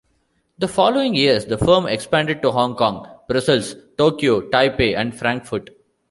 The following years the firm expanded to Hong Kong, Brussels, Tokyo, Taipei, and Frankfurt.